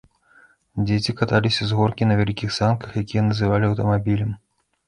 Дзеці каталіся з горкі на вялікіх санках, якія называлі аўтамабілем.